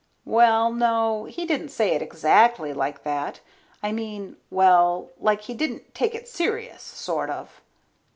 Well, no, he didn't say it exactly like that. I mean, well, like he didn't take it serious, sort of.